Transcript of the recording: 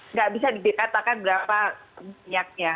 nggak bisa dikatakan berapa minyaknya